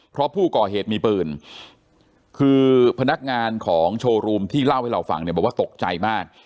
เพราะผู้ก่อเหตุมีปืนคือพนักงานของโชว์รูมที่เล่าให้เราฟังเนี่ยบอกว่าตกใจมาก